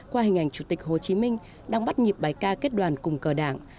qua hình ảnh chủ tịch hồ chí minh đang bắt nhịp bài ca kết đoàn cùng cờ đảng